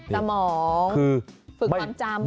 สมองคือฟืกความจำ